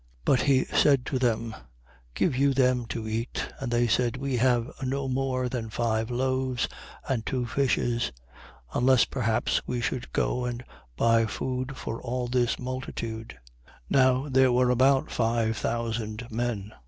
9:13. But he said to them: Give you them to eat. And they said: We have no more than five loaves and two fishes; unless perhaps, we should go and buy food for all this multitude. 9:14. Now there were about five thousand men.